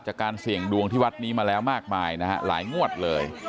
จากการเสี่ยงดวงที่วัดนี้มาแล้วมากมายนะฮะหลายงวดเลย